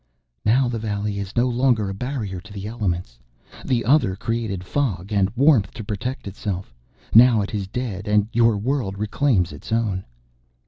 "Now the valley is no longer a barrier to the elements. The Other created fog and warmth to protect itself. Now it is dead and your world reclaims its own."